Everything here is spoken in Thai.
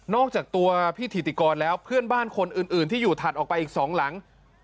อกจากตัวพี่ถิติกรแล้วเพื่อนบ้านคนอื่นที่อยู่ถัดออกไปอีกสองหลัง